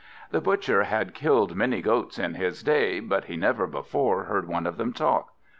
This Butcher had killed many goats in his day, but he never before heard one of them talk.